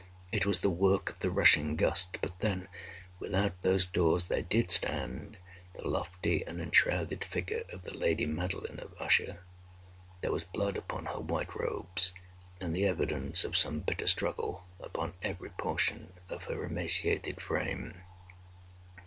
It was the work of the rushing gust—but then without those doors there did stand the lofty and enshrouded figure of the lady Madeline of Usher. There was blood upon her white robes, and the evidence of some bitter struggle upon every portion of her emaciated frame.